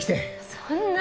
そんな